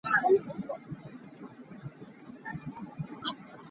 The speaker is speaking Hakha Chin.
A ṭuanhawi hna kha thong ah kan thlak hna lai tiah a hrocer hna.